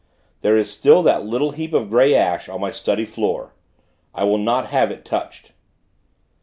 ... There is still that little heap of grey ash, on my study floor. I will not have it touched.